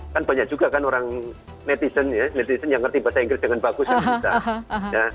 kan banyak juga kan orang netizen ya netizen yang ngerti bahasa inggris dengan bagus kan susah